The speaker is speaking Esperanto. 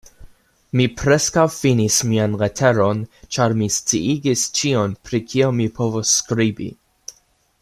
Mi preskaŭ finis mian leteron, ĉar mi sciigis ĉion, pri kio mi povus skribi.